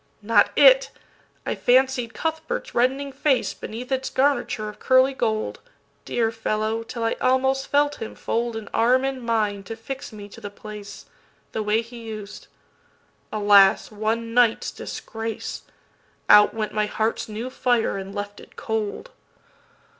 Not it! I fancied Cuthbert's reddening faceBeneath its garniture of curly gold, Dear fellow, till I almost felt him foldAn arm in mine to fix me to the place, That way he us'd. Alas, one night's disgrace! Out went my heart's new fire and left it cold.